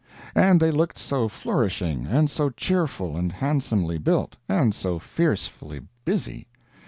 And they looked so flourishing, and so cheerful and handsomely built, and so fiercely busy.